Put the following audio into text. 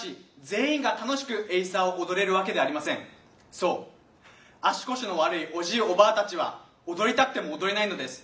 そう足腰の悪いおじいおばあたちは踊りたくても踊れないのです。